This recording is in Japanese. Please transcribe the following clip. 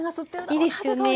いいですよね。